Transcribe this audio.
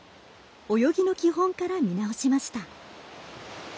泳ぎの基本から見直しました。